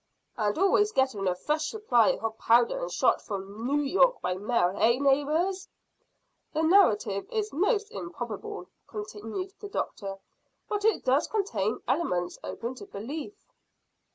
"And always getting a fresh supply of powder and shot from Noo York by mail, eh, neighbours?" "The narrative is most improbable," continued the doctor, "but it does contain elements open to belief."